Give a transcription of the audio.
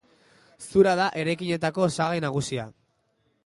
Zura da eraikinetako osagai nagusia.